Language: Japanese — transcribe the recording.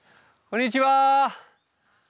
こんにちは。